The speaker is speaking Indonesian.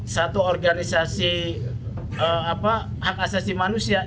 satu organisasi hak asasi manusia